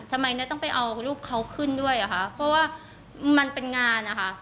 ทำไมเนี่ยต้องไปเอารูปเขาขึ้นด้วยเหรอคะเพราะว่ามันเป็นงานนะคะ